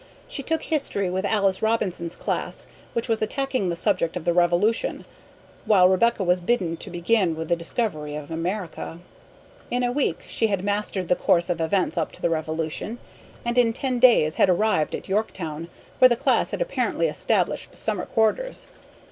She took history with Alice Robinson's class, which was attacking the subject of the Revolution, while Rebecca was bidden to begin with the discovery of America. In a week she had mastered the course of events up to the Revolution, and in ten days had arrived at Yorktown, where the class had apparently established summer quarters.